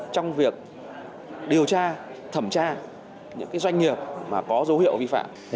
trong việc điều tra thẩm tra những doanh nghiệp có dấu hiệu vi phạm